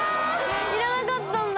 いらなかったんだ